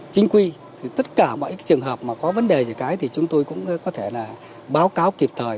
chính quy thì tất cả mọi trường hợp mà có vấn đề gì cái thì chúng tôi cũng có thể là báo cáo kịp thời